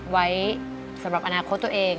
ไว้สำหรับอนาคตตัวเอง